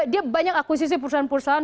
dia banyak akuisisi perusahaan perusahaan